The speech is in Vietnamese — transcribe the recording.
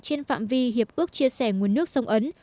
trên phạm vi hiệp ước chia sẻ nguồn nước sông ấn